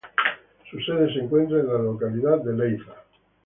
Su sede se encuentra en la localidad de Leiza.